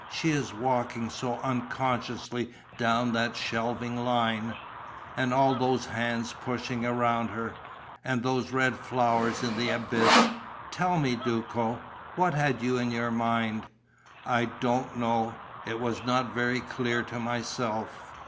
She is walking so unconsciously down that shelving line ... and all those hands pushing around her ... and those red flowers in the abyss.... Tell me, Duco, what had you in your mind?" "I don't know: it was not very clear to myself."